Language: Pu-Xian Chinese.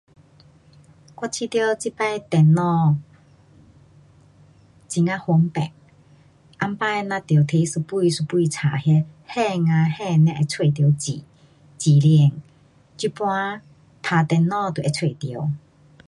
我觉得这次电脑很呀方便，以前咱得拿一本一本书那翻呀翻呀才会找到字，字典。这次读电脑都会找到。